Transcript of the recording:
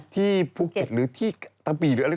ที่ภูเก็ตหรือที่ตะบีหรืออะไร